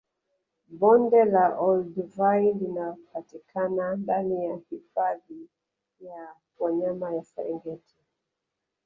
Bonde la Olduvai linapatikana ndani ya hifadhi ya wanyama ya Serengeti